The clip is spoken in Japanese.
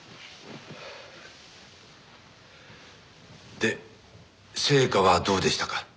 で成果はどうでしたか？